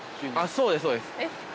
◆そうです、そうです。